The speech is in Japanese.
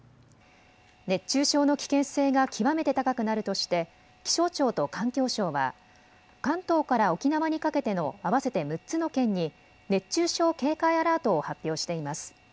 熱中症の危険性が極めて高くなるとして気象庁と環境省は関東から沖縄にかけての合わせて６つの県に熱中症警戒アラートを発表しています。